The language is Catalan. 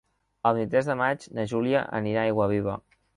El vint-i-tres de maig na Júlia anirà a Aiguaviva.